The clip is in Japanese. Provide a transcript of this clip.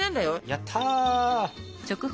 やった！